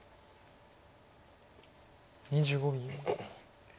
２５秒。